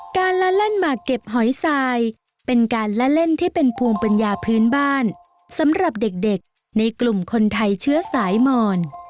การละเล่นหมากเก็บหอยทรายเป็นการละเล่นที่เป็นภูมิปัญญาพื้นบ้านสำหรับเด็กในกลุ่มคนไทยเชื้อสายหมอน